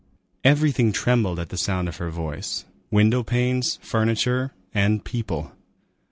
Everything trembled at the sound of her voice,—window panes, furniture, and people.